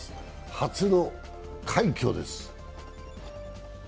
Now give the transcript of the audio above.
初の快挙です。